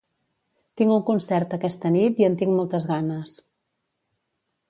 Tinc un concert aquesta nit i en tinc moltes ganes.